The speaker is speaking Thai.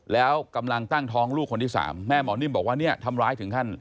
แล้วกำลังตั้งท้องลูกคนที่สามแม่หมอนิ่มบอกว่าเนี่ยทำร้ายถึงขั้น